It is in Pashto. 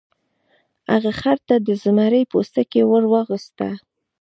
هغه خر ته د زمري پوستکی ور واغوسته.